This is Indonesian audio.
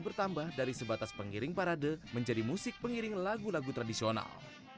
bertambah dari sebatas pengiring parade menjadi musik pengiring lagu lagu tradisional